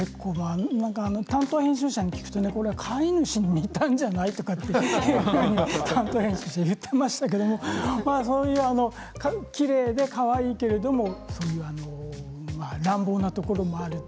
担当編集者に聞くと飼い主に似たんじゃないかと言ってましたけれどもそういうきれいでかわいいけれども乱暴なところもある。